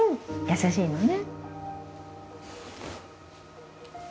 優しいのね